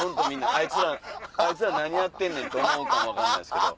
あいつら何やってんねんって思うかも分からないですけど。